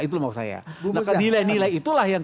itu yang maksud saya nah nilai nilai itulah yang